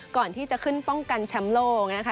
ก่อนที่จะขึ้นป้องกันแชมป์โลกนะคะ